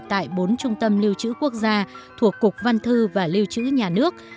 tại bốn trung tâm liêu chữ quốc gia thuộc cục văn thư và liêu chữ nhà nước